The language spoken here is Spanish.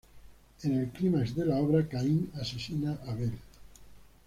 En el clímax de la obra, Caín asesina a Abel.